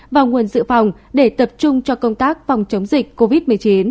vào nguồn sự phòng để tập trung cho công tác phòng chống dịch covid một mươi chín